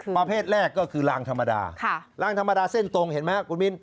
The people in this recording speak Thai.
ประเภทแรกก็คือลางธรรมดารางธรรมดาเส้นตรงเห็นไหมครับคุณมิน